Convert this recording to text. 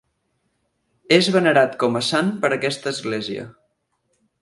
És venerat com a sant per aquesta església.